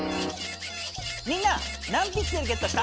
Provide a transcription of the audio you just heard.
みんな何ピクセルゲットした？